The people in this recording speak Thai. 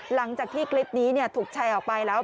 หลังจากที่คลิปนี้ถูกแชร์ออกไปแล้ว